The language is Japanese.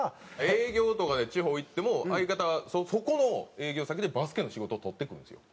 営業とかで地方行っても相方はそこの営業先でバスケの仕事を取ってくるんですよ。